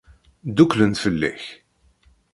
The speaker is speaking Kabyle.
Dduklen fell-ak.